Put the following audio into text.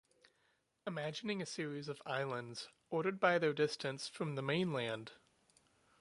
Imagining a series of islands, ordered by their distance from the mainland.